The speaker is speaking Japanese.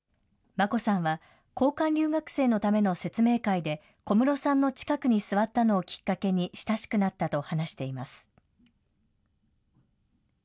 眞子さんは、交換留学生のための説明会で、小室さんの近くに座ったのをきっかけに、親しくなったと話しています。